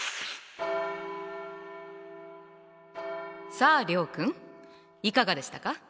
さあ諒君いかがでしたか？